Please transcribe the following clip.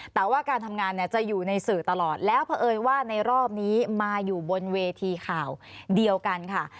แต่ว่าการทำงานเนี่ยจะอยู่ในสื่อตลอดแล้วเพราะเอิญว่าในรอบนี้มาอยู่บนเวทีข่าวเดียวกันค่ะ